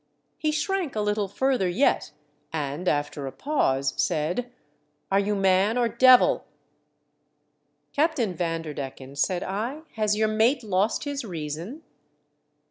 He shrank a little further yet, and, after a pause, said, " Are you man or devil ?" "Captain Vanderdecken," said I, "has your mate lost his reason